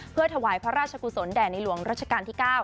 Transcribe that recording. เพื่อถวายพระราชกุศลแด่ในหลวงรัชกาลที่๙